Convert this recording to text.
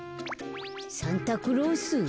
サンタクロース？